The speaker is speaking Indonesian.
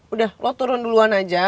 udah lo turun duluan aja